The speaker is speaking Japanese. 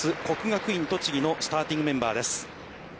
国学院栃木のスターティングメンバーです。